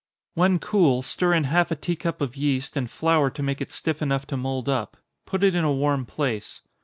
When cool, stir in half a tea cup of yeast, and flour to make it stiff enough to mould up. Put it in a warm place.